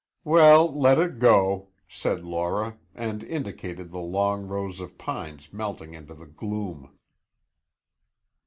"We'll let it go," said Laura, and indicated the long rows of pines melting into the gloom.